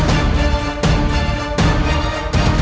kamu adalah anaknya siliwang